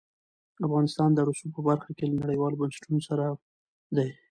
افغانستان د رسوب په برخه کې له نړیوالو بنسټونو سره دی.